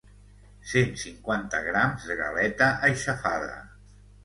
cent cinquanta grams de galeta aixafada